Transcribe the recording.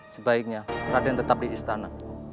sebaiknya raden tetap di istana